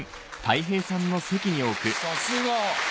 さすが。